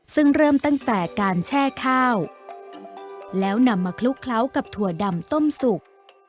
ซึ่งเริ่มตั้งแต่การแช่ข้าวแล้วนำมาคลุกเคล้ากับถั่วดำต้มสุก